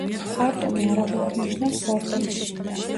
ხარტუმი არაბულად ნიშნავს ხორთუმს.